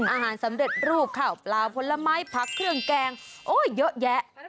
อาหารสำเร็จรูปข่าวปลาผลไม้ผักเครื่องแกงโอ้ยเยอะแยะ